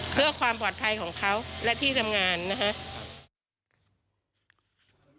เพื่อความปลอดภัยของเขาและที่ทำงานนะครับ